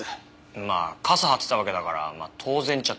まあ傘張ってたわけだから当然っちゃ当然ですよね。